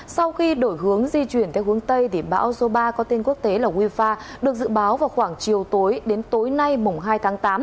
sau khi đổi hướng di chuyển theo hướng tây thì bão số ba có tên quốc tế là wifa được dự báo vào khoảng chiều tối đến tối nay mùng hai tháng tám